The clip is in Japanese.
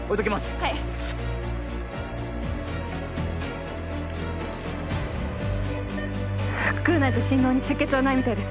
はい腹腔内と心嚢に出血はないみたいです